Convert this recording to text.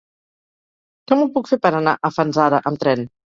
Com ho puc fer per anar a Fanzara amb tren?